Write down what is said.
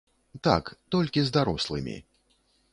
Так, толькі з дарослымі.